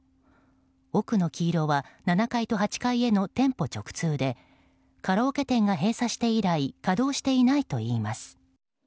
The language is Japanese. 奥の黄色は７階と８階への店舗直通でカラオケ店が閉鎖して以来稼働していないといいます。